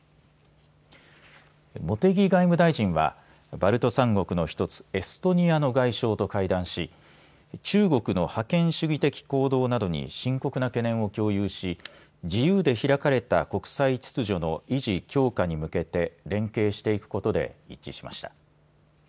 茂木外務大臣はバルト３国の１つエストニアの外相と会談し中国の覇権主義的行動などに深刻な懸念を共有し自由で開かれた国際秩序の維持・強化に向けて連携していくことで一致しました。